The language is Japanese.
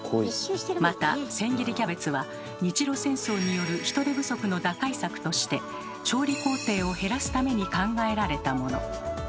また千切りキャベツは日露戦争による人手不足の打開策として調理工程を減らすために考えられたもの。